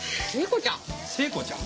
聖子ちゃん？